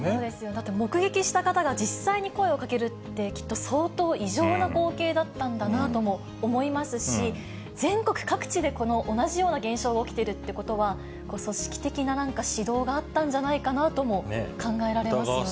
だって、目撃した方が実際に声をかけるって、きっと相当異常な光景だったんだなとも思いますし、全国各地でこの同じような現象が起きているということは、組織的ななんか指導があったんじゃないかなとも考えられますよね。